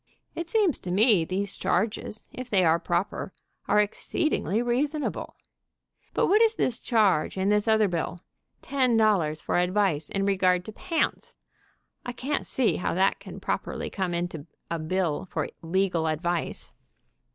It seems to me these charges, if they are proper, are exceedingly reason able. But what is this charge in this other bill, ten dollars for advice in regard to pants ? I can't see how that can properly come into a bill for legal advice."